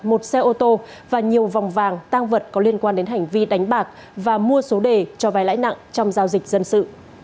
một xe ô tô và nhiều vòng vàng tăng vật có liên quan đến hành vi đánh bạc và mua số đề cho vai lãi nặng trong giao dịch dân sự